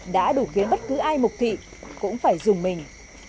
đã đủ khiến bất cứ ai mục kỵ cũng phải dùng mình